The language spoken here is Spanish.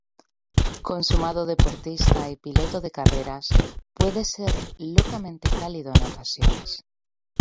Consumado deportista y piloto de carreras, puede ser locamente cálido en ocasiones.